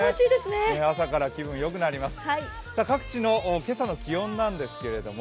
朝から気分よくなります。